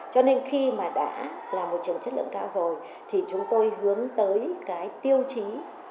cho nên khi mà đã là một trường chất lượng cao rồi thì chúng tôi hướng tới cái tiêu chí